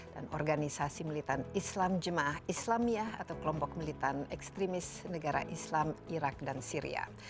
dan organisasi militan islam jemaah islamiyah atau kelompok militan ekstremis negara islam irak dan syria